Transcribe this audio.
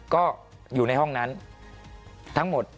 ก็อยู่ในห้องนั้นทั้งหมด